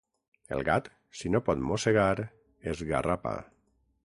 El gat, si no pot mossegar, esgarrapa.